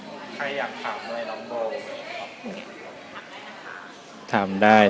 มีใครอยากถามอะไรน้องโบ